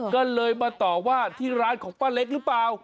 ก็เลยมาต่อว่าที่ร้านของป้าเล็กหรือเปล่า